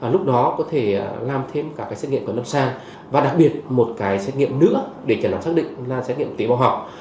lúc đó có thể làm thêm cả cái xét nghiệm của lâm sàng và đặc biệt một cái xét nghiệm nữa để kiểm đoán xác định là xét nghiệm tế bào học